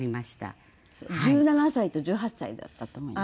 １７歳と１８歳だったと思います。